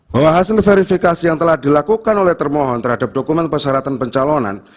bahwa hasil verifikasi yang telah dilakukan oleh termohon terhadap dokumen persyaratan pencalonan